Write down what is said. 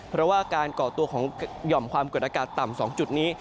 เพราะว่าการก่อตัวของหย่อมความกดอากาศต่ำ๒จุดนี้